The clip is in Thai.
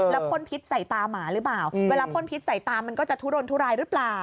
แล้วพ่นพิษใส่ตาหมาหรือเปล่าเวลาพ่นพิษใส่ตามันก็จะทุรนทุรายหรือเปล่า